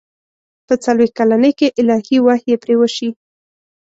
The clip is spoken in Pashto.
په څلوېښت کلنۍ کې الهي وحي پرې وشي.